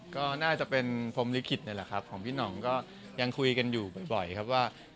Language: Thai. ก็น่าจะเป็นธรรมฤคิตหรือครับของพี่น้องก็ยังคุยกันบ่อยครับว่า